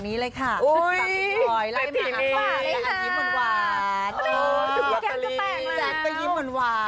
นี้เลยค่ะโอ้โห